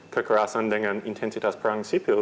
kekerasan dengan intensitas perang sipil